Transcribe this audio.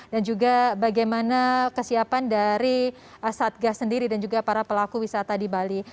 dan juga bagaimana kesiapan dari satga sendiri dan juga para pelaku wisata di bali